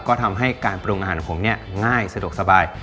ก็ทำให้การปรุงอาหารของผมเนี่ยง่ายสะดวกสบาย